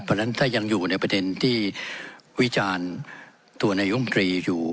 เพราะฉะนั้นถ้ายังอยู่ในประเด็นที่วิจารณ์ตัวนายมตรีอยู่